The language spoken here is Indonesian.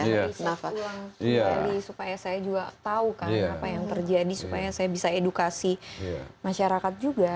supaya saya juga tahu kan apa yang terjadi supaya saya bisa edukasi masyarakat juga